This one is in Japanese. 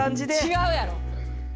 違うやろ。